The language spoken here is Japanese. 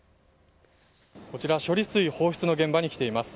こちら処理水放出の現場に来ています。